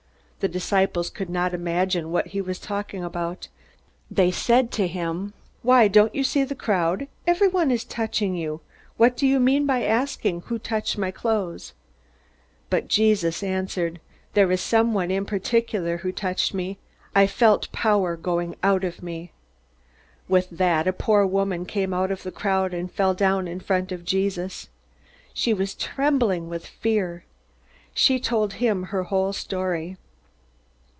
The disciples could not imagine what he was talking about. They said to him: "Why, don't you see the crowd? Everybody is touching you! What do you mean by asking, 'Who touched my clothes?'" But Jesus answered: "There's someone in particular who touched me. I felt power going out of me." With that, a poor woman came out of the crowd and fell down in front of Jesus. She was trembling with fear. She told him her whole story.